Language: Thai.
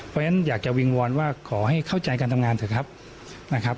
เพราะฉะนั้นอยากจะวิงวอนว่าขอให้เข้าใจการทำงานเถอะครับนะครับ